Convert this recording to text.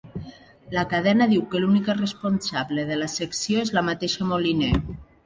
La cadena diu que l'única responsable de la secció és la mateixa Moliner